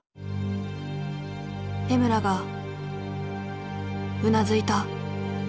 江村がうなずいた。